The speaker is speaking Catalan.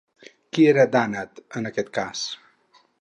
Qui era Dànat en aquest cas?